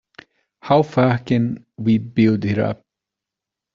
How far can we build it up?